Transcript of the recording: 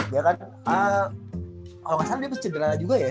dia kan kalo gak salah dia masih cedera juga ya